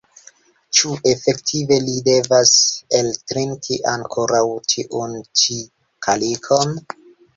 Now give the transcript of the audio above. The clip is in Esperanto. Ĉu efektive li devas eltrinki ankoraŭ tiun ĉi kalikon?